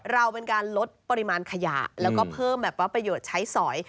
เราเป็นการลดปริมาณขยะแล้วก็เพิ่มแบบว่าประโยชน์ใช้สอย